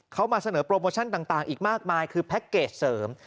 เขามาเสนอโปรโมชั่นต่างอีกมากมายคือแพ็คเกจเสริม